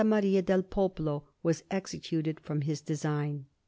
Maria del Popolo was executed from his design.